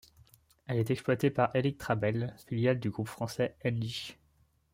Elle est exploitée par Electrabel, filiale du groupe français Engie.